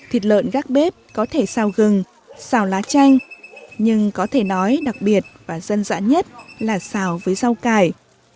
thịt lợn gác bếp có thể sao gừng xào lá chanh nhưng có thể nói đặc biệt và dân dã nhất là xào với rau cải